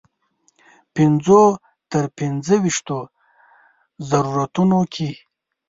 پنځو تر پنځه ویشتو ضرورتونو کې.